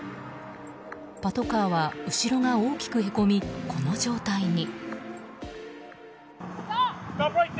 パトカーは後ろが大きくへこみこの状態に。